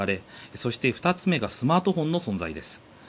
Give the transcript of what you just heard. そして、２つ目がスマートフォンの存在です。